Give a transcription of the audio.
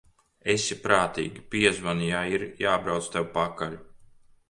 Esi prātīga, piezvani, ja ir jābrauc tev pakaļ.